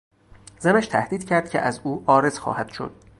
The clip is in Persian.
زنش تهدید کرد که از او عارض خواهد شد.